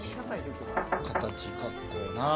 形かっこええな。